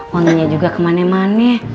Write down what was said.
wanginya juga kemane mane